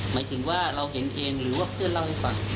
หมายถึงว่าเราเห็นเองหรือว่าเพื่อนเล่าให้ฟัง